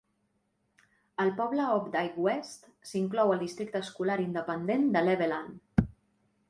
El poble Opdyke West s'inclou al districte escolar independent de Levelland.